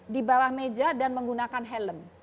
di bawah meja dan menggunakan helm